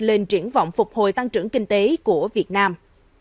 lên triển vọng phục hồi tăng trưởng kinh tế của việt nam